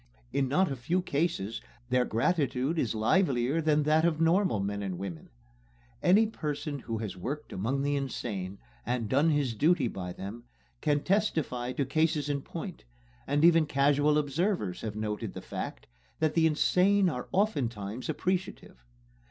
In not a few cases their gratitude is livelier than that of normal men and women. Any person who has worked among the insane, and done his duty by them, can testify to cases in point; and even casual observers have noted the fact that the insane are oftentimes appreciative.